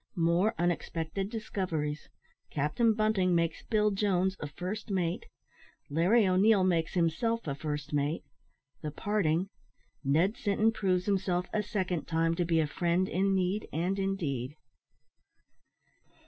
MORE UNEXPECTED DISCOVERIES CAPTAIN BUNTING MAKES BILL JONES A FIRST MATE LARRY O'NEIL MAKES HIMSELF A FIRST MATE THE PARTING NED SINTON PROVES HIMSELF, A SECOND TIME, TO BE A FRIEND IN NEED AND IN DEED.